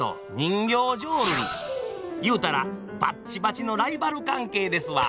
言うたらバッチバチのライバル関係ですわ。